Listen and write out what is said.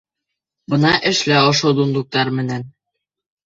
Бына эшлә ошо дундуктар менән!